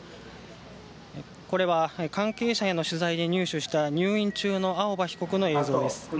これは関係者への取材で入手した入院中の青葉被告の映像です。